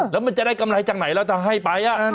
แล้วมันจะได้กำไรจากไหนแล้วถ้าให้ไป